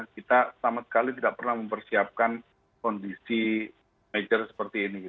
kita sama sekali tidak pernah mempersiapkan kondisi major seperti ini